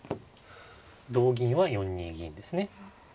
同銀は４二銀ですね。